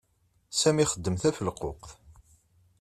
Sami ixdem tafelquqt.